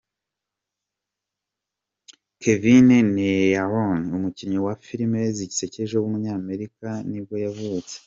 Kevin Nealon, umukinnyi wa filime zisekeje w’umunyamerika nibwo yavutse.